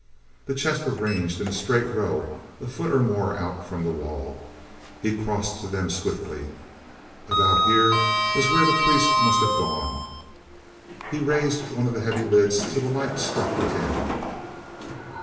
The chests were ranged in a straight row a foot or more out from the wall. He crossed to them swiftly. About here was where that priest must have gone. He raised one of the heavy lids till the light struck within.